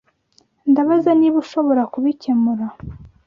Ndabaza niba ushobora kubikemura.